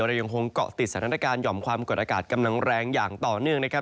เรายังคงเกาะติดสถานการณ์หย่อมความกดอากาศกำลังแรงอย่างต่อเนื่องนะครับ